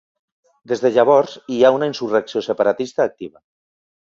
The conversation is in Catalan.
Des de llavors hi ha una insurrecció separatista activa.